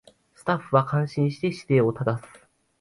スタッフは感心して姿勢を正す